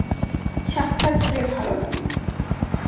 সাক্ষাৎ হয়ে ভালো লাগলো!